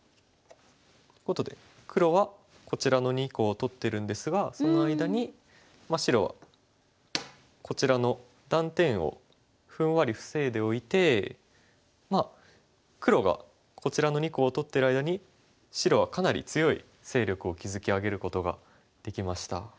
黒はこちらの２個を取ってるんですがその間に白はこちらの断点をふんわり防いでおいて黒がこちらの２個を取ってる間に白はかなり強い勢力を築き上げることができました。